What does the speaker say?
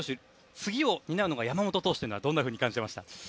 次を担うのが山本投手というのはどんなふうに感じていました？